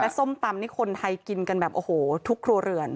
ส้มตำนี่คนไทยกินกันแบบโอ้โหทุกครัวเรือน